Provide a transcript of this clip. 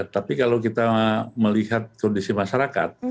tapi kalau kita melihat kondisi masyarakat